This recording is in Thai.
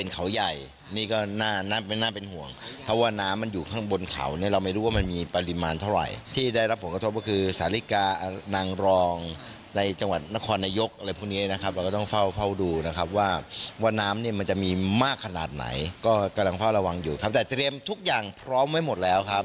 ก็กำลังพร้อมระวังอยู่ครับแต่เตรียมทุกอย่างพร้อมไว้หมดแล้วครับ